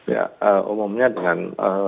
ya umumnya dengan